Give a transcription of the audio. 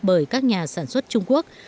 bởi các nhà sản xuất trung quốc